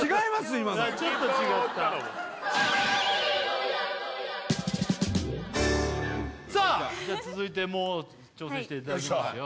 今の「透き通った」だもんさあじゃあ続いてもう挑戦していただきますよ